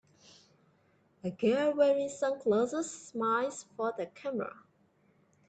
a girl wearing sunglasses smiles for the camera.